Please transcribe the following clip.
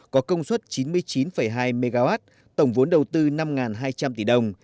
có công suất chín mươi chín hai mw tổng vốn đầu tư năm hai trăm linh tỷ đồng